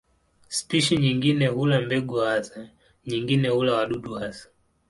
Spishi nyingine hula mbegu hasa, nyingine hula wadudu hasa.